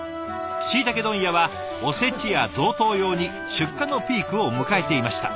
しいたけ問屋はおせちや贈答用に出荷のピークを迎えていました。